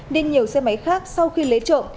nên nhiều xe máy khác sau khi lấy trộm